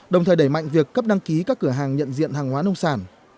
đồng thời đẩy mạnh việc cấp đăng ký các cửa hàng nhận diện hàng hóa nông sản